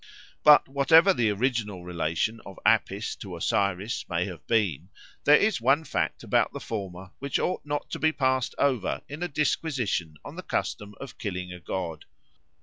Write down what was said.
But whatever the original relation of Apis to Osiris may have been, there is one fact about the former which ought not to be passed over in a disquisition on the custom of killing a god.